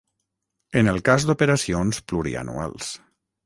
En el cas d'operacions plurianuals.